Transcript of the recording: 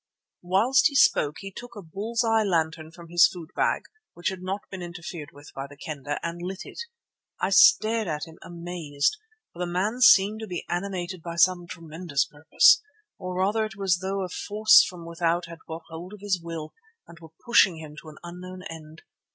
"Whilst he spoke he took a bull's eye lantern from his foodbag, which had not been interfered with by the Kendah, and lit it. I stared at him amazed, for the man seemed to be animated by some tremendous purpose. Or rather it was as though a force from without had got hold of his will and were pushing him on to an unknown end.